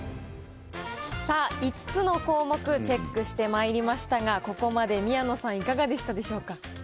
さあ、５つの項目、チェックしてまいりましたが、ここまで宮野さん、いかがでしたでしょうか。